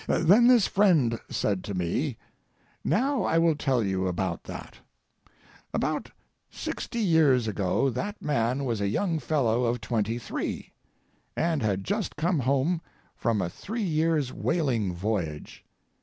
Then this friend said to me: "Now, I will tell you about that. About sixty years ago that man was a young fellow of twenty three, and had just come home from a three years' whaling voyage.